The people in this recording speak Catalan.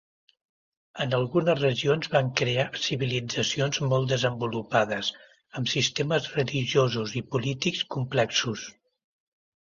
En algunes regions, van crear civilitzacions molt desenvolupades amb sistemes religiosos i polítics complexos.